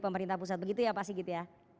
pemerintah pusat begitu ya pak sigit ya